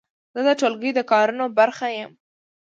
زه د ټولګي د کارونو برخه یم.